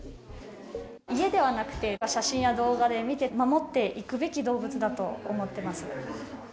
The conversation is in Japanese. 家ではなくて、写真や動画で見て、守っていくべき動物だと思ってます。